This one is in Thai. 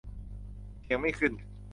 เถียงไม่ขึ้น